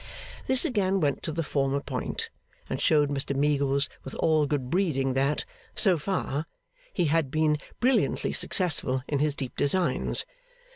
This again went to the former point, and showed Mr Meagles with all good breeding that, so far, he had been brilliantly successful in his deep designs.